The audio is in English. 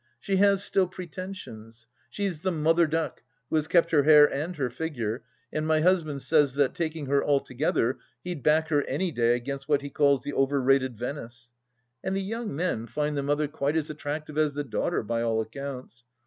She has still pretensions. She's the mother duck who has kept her hair and her figure, . and my husband says that, taking her altogether, he'd back her any day against what he calls " the over rated Venice." And.the young men find the mother quite as attractive as the daughter, by all accounts.